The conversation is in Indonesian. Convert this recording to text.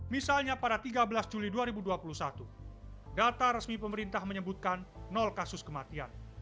misalnya pada tiga belas juli dua ribu dua puluh satu data resmi pemerintah menyebutkan kasus kematian